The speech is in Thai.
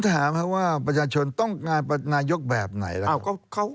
ผมถามครับว่าประชาชนต้องการนายกแบบไหนล่ะครับ